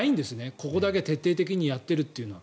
ここだけ徹底的にやっているというのは。